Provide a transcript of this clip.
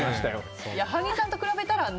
矢作さんと比べたらね。